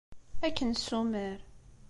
Ad k-nessumar.